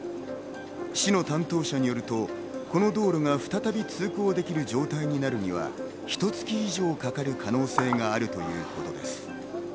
市の担当者によると、この道路が再び通行できる状態になるには、ひと月以上かかる可能性があるということです。